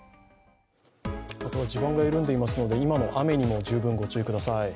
あとは地盤が緩んでいますので今の雨にも十分ご注意ください。